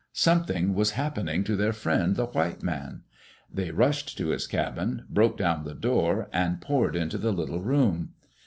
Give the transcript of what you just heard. Something was happening to their friend, the white man I They rushed to his cabin, broke down the door, and poured into the little room.